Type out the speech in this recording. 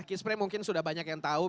key spray mungkin sudah banyak yang tahu